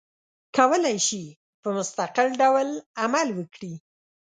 کولای شي په مستقل ډول عمل وکړي.